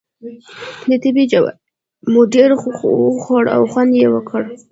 د تبۍ جواری مو ډېر وخوړ او خوند یې وکړ.